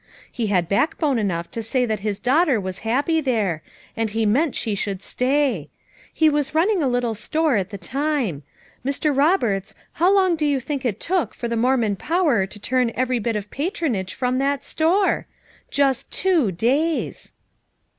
He had backbone enough to say that his daughter was happy there, and he meant slie should stay. He was running a little store, at the time. Mr. Roberts, how long do you think it took for the Mormon power to turn every bit of patronage from that store? Just two days!"